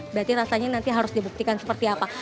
berarti rasanya nanti harus dibuktikan seperti apa